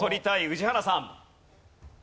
宇治原さん。